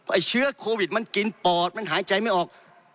เชื้อโควิดมันกินปอดมันหายใจไม่ออก